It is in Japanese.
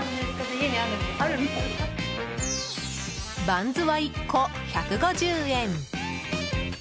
バンズは１個、１５０円